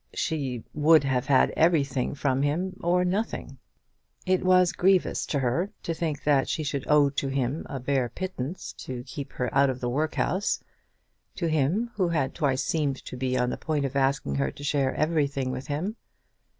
She would have had everything from him, or nothing. It was grievous to her to think that she should owe to him a bare pittance to keep her out of the workhouse, to him who had twice seemed to be on the point of asking her to share everything with him.